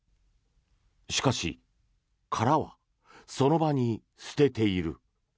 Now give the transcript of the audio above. しかし殻はその場に捨てている。